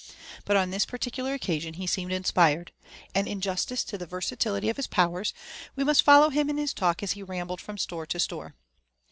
But on this particular occasion he seemed inspired ; and in justice to the versatility of his powers, we must follow him in his talk as he rambled from store to store.